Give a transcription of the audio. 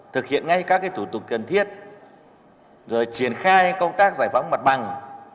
thực hiện ngay các thủ tục cần thiết rồi triển khai công tác giải phóng mặt bằng